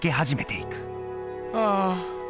ああ。